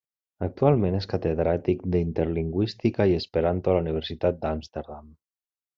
Actualment és catedràtic d'interlingüística i esperanto a la Universitat d'Amsterdam.